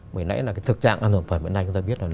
bởi nãy là cái thực trạng an toàn phẩm hiện nay chúng ta biết là